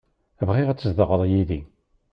Bɣiɣ ad tzedɣeḍ yid-i